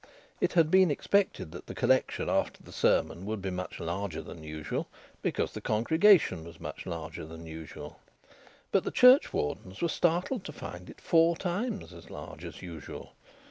It had been expected that the collection after the sermon would be much larger than usual, because the congregation was much larger than usual. But the church wardens were startled to find it four times as large as usual.